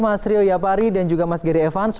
mas ryo yapari dan juga mas gary evans